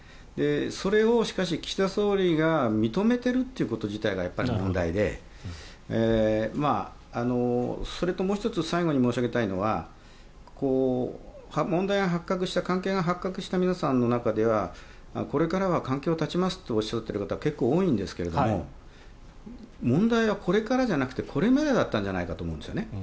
それをしかし、岸田総理が認めてるということ自体がやっぱり問題でそれと、もう１つ最後に申し上げたいのは問題が発覚した関係が発覚した皆さんの中にはこれからは関係を絶ちますとおっしゃっている方が結構多いんですけれど問題はこれからじゃなくてこれまでだったんじゃないかと思うんですよね。